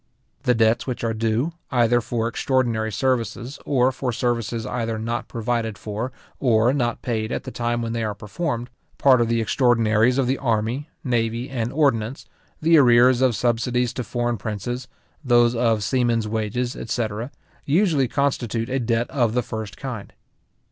The debts which are due, either for extraordinary services, or for services either not provided for, or not paid at the time when they are performed; part of the extraordinaries of the army, navy, and ordnance, the arrears of subsidies to foreign princes, those of seamen's wages, etc. usually constitute a debt of the first kind.